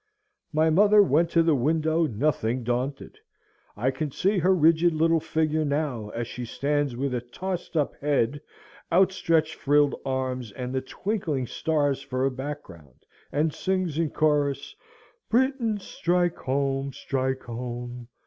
My mother went to the window nothing daunted. I can see her rigid little figure now, as she stands with a tossed up head, outstretched frilled arms, and the twinkling stars for a background, and sings in chorus, "Britons, strike home! strike home!"